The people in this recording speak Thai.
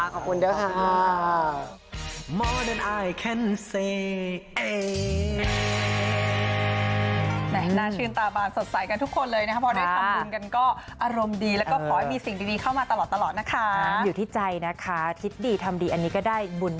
ขอบคุณเดี๋ยวค่ะ